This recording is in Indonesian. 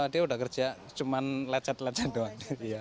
dia udah kerja cuma lecet lecet doang